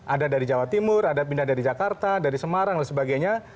ada dari jawa timur ada pindah dari jakarta dari semarang dan sebagainya